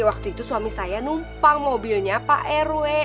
waktu itu suami saya numpang mobilnya pak rw